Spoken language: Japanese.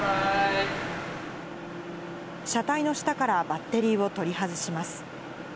車体の下からバッテリーを取り外します。